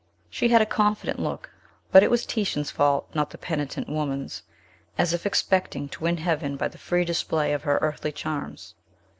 She had a confident look (but it was Titian's fault, not the penitent woman's), as if expecting to win heaven by the free display of her earthly charms.